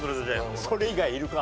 それ以外いるか！